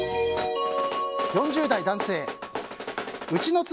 ４０代男性です。